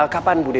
kapan bu dewi